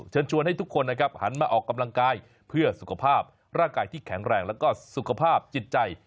เชิญชวนให้ทุกคนนะครับหันมาออกกำลังกายเพื่อสุขภาพร่างกายที่แข็งแรงแล้วก็สุขภาพจิตใจ